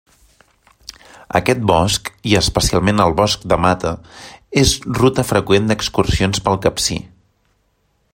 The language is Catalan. Aquest bosc, i especialment el Bosc de Mata, és ruta freqüent d'excursions pel Capcir.